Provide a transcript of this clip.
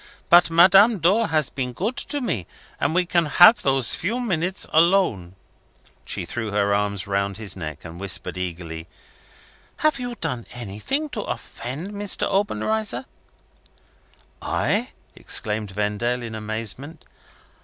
"But Madame Dor has been good to me and we can have those few minutes alone." She threw her arms round his neck, and whispered eagerly, "Have you done anything to offend Mr. Obenreizer?" "I!" exclaimed Vendale, in amazement.